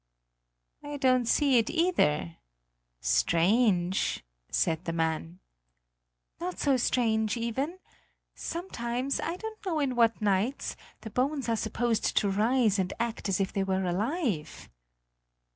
"I don't see it either. Strange!" said the man. "Not so strange, Iven! Sometimes, I don't know in what nights, the bones are supposed to rise and act as if they were alive!"